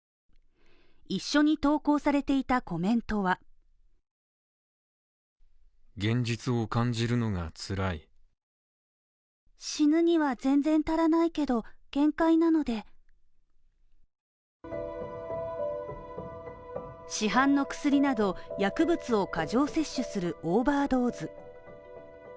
一緒に投稿されていたコメントは市販の薬など薬物を過剰摂取するオーバードーズ。